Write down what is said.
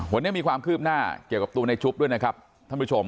วันนี้มีความคืบหน้าเกี่ยวกับตัวในชุบด้วยนะครับท่านผู้ชม